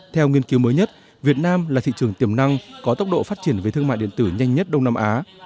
theo nghiên cứu mới nhất việt nam là thị trường tiềm năng có tốc độ phát triển về thương mại điện tử nhanh nhất đông nam á